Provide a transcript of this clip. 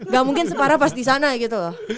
gak mungkin separah pas disana gitu loh